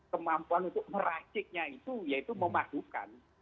kemampuan untuk meraciknya itu yaitu memadukan